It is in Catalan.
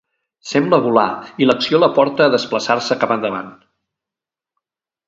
Sembla volar i l'acció la porta a desplaçar-se cap a davant.